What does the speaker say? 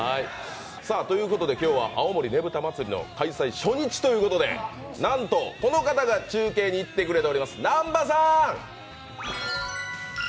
ということで今日は青森ねぶた祭の開催初日ということでなんと、この方が中継に行ってくれております、南波さん！